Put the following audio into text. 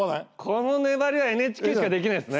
この粘りはＮＨＫしかできないっすね。